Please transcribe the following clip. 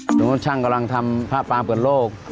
สมมติช่างกำลังทำพระปางเปิดโลก